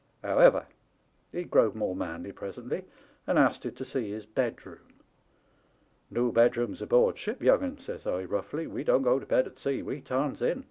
However, he growed more manly presently, and asted to see his bedroom. "* No bedrooms aboard ship, young 'un,' says I, roughly, * we don't go to bed at sea, we tarns in.